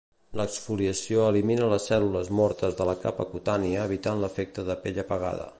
L'exfoliació elimina les cèl·lules mortes de la capa cutània evitant l'efecte de pell apagada.